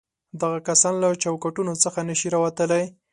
دغه کسان له چوکاټونو څخه نه شي راوتلای.